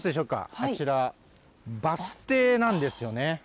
あちら、バス停なんですよね。